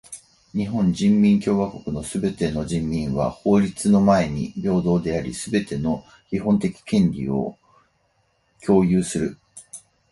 日本人民共和国のすべての人民は法律の前に平等であり、すべての基本的権利を享有する。